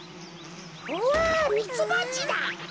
うわミツバチだ。